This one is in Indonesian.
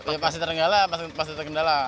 ya pasti terenggala pasti terkendala